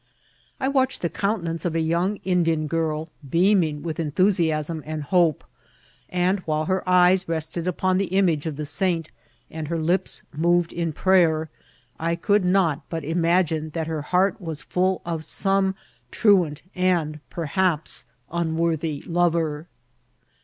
I watched the countenance of a young Indian girl, beaming with enthusiasm and hope ; and, while her eyes rested upon the image of the saint and her lips moved in prayer, I could not but im agine that her heart was full of some truant| and per haps unworthy lover.